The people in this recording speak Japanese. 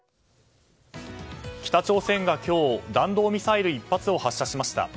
北朝鮮が今日弾道ミサイル１発を発射しました。